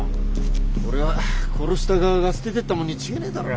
これは殺した側が捨ててったもんに違えねえだろ。